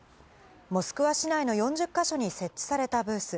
モスクワ市内の４０か所に設置されたブース。